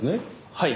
はい。